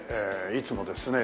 いつもですね